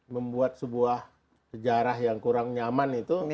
membuat sebuah sejarah yang kurang nyaman itu